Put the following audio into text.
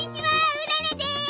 うららです！